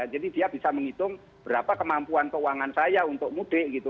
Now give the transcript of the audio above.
jadi dia bisa menghitung berapa kemampuan keuangan saya untuk mudik gitu